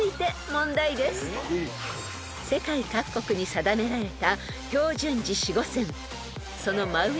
［世界各国に定められた］